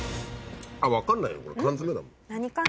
分かんないよこれ缶詰だもん。